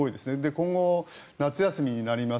今後、夏休みになります。